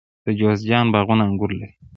د جوزجان باغونه انګور لري.